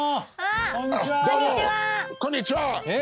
こんにちは。